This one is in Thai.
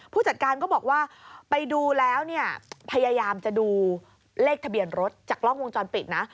ผู้จัดการก็บอกว่าไปดูแล้วเนี่ยพยายามจะดูเลขทะเบียนรถจากกล้องวงจรปิดนะ